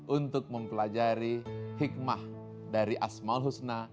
untuk mempelajari hikmah dari asmal husna